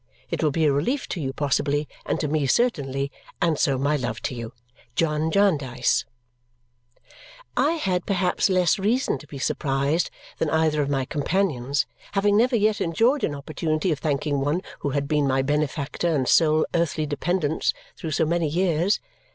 It will be a relief to you possibly, and to me certainly, and so my love to you. John Jarndyce I had perhaps less reason to be surprised than either of my companions, having never yet enjoyed an opportunity of thanking one who had been my benefactor and sole earthly dependence through so many years.